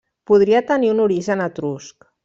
Podria tenir un origen etrusc.